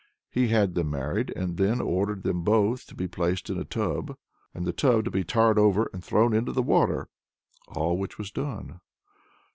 He had them married, and then ordered them both to be placed in a tub, and the tub to be tarred over and thrown into the water; all which was done.